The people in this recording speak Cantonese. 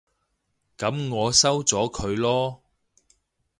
噉我收咗佢囉